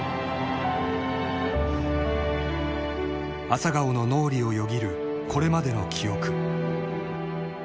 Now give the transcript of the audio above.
［朝顔の脳裏をよぎるこれまでの記憶］